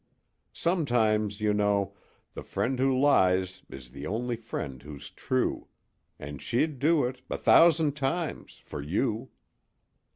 Sometimes, you know, the friend who lies is the only friend who's true and she'd do it a thousand times for you."